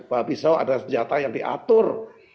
bahwa pisau adalah senjata yang diatur